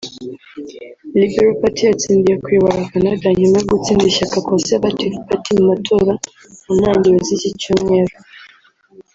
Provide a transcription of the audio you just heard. Liberal Party yatsindiye kuyobora Canada nyuma yo gutsinda ishyaka Conservative Party mu matora mu ntangiriro z’iki cyumweru